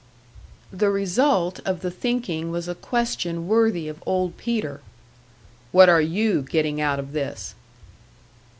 The result of the thinking was a question worthy of Old Peter. "What are you getting out of this?"